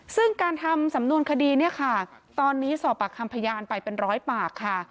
ซึ่งการทำสำนวนคดีเนี่ยค่ะตอนนี้สอบปากคำพยานไปเป็นร้อยปากค่ะ